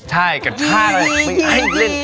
ใช่กับท่าอะไร